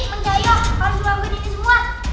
bang jaya harus ngambil ini semua